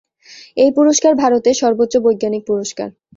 এই পুরস্কার ভারতের সর্বোচ্চ বৈজ্ঞানিক পুরস্কার।